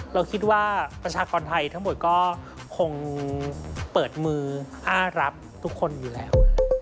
เราคิดว่าประชากรไทยทั้งหมดก็คงเปิดมืออ้ารับทุกคนอยู่แล้ว